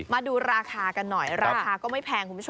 มาดูราคากันหน่อยราคาก็ไม่แพง